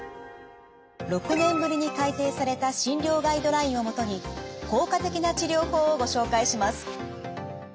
６年ぶりに改訂された診療ガイドラインを基に効果的な治療法をご紹介します。